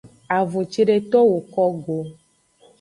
Avun cedeto woko go.